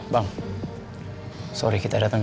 bang sorry kita dateng